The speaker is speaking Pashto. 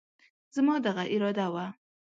زما دغه اراده وه،